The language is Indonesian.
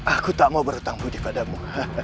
aku tak mau berhutang budi padamu